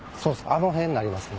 あの辺になりますね。